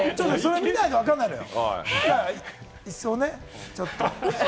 見ないとわからないのよ。